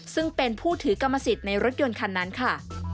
ซึ่งเป็นผู้ถือกรรมสิทธิ์ในรถยนต์คันนั้นค่ะ